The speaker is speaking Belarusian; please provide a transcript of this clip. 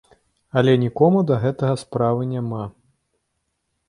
Але нікому да гэтага справы няма.